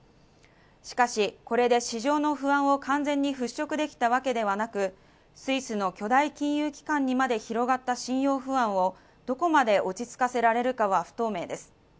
しかし、これで市場の不安を完全に払拭できたわけではなく、スイスの巨大金融機関にまで広がった信用不安をどこまで落ち着かせられるかは不透明です。